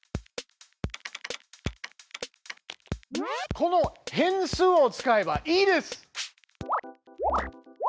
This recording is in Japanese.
この「変数」を使えばいいです！